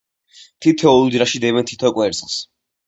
თითოეულ უჯრაში დებენ თითო კვერცხს.